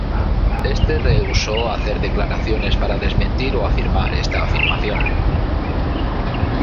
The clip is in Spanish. Este rehusó hacer declaraciones para desmentir o afirmar esta información.